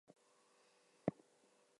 These are remnants of Zoroastrian traditions.